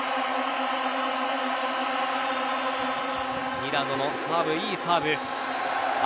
ミラドのサーブ、いいサーブ。